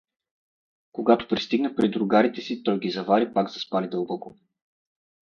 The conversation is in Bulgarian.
Когато пристигна при другарите си, той ги завари пак заспали дълбоко.